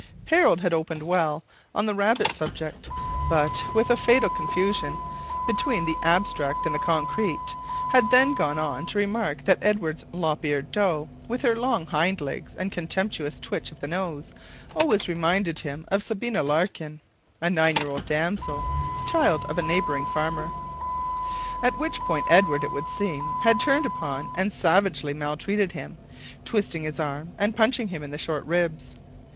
Harold had opened well, on the rabbit subject, but, with a fatal confusion between the abstract and the concrete, had then gone on to remark that Edward's lop eared doe, with her long hindlegs and contemptuous twitch of the nose, always reminded him of Sabina Larkin (a nine year old damsel, child of a neighbouring farmer): at which point Edward, it would seem, had turned upon and savagely maltreated him, twisting his arm and punching him in the short ribs.